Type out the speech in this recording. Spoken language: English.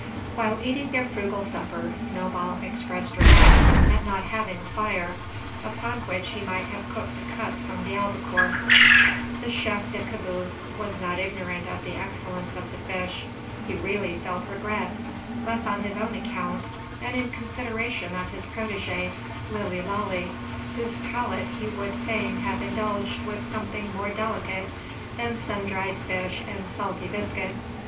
While eating their frugal supper, Snowball expressed regret at not having a fire, upon which he might have cooked a cut from the albacore. The chef de caboose was not ignorant of the excellence of the fish. He really felt regret, less on his own account, than in consideration of his protege, Lilly Lalee; whose palate he would fain have indulged with something more delicate than sun dried fish and salty biscuit.